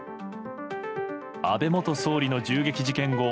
安倍元総理の銃撃事件後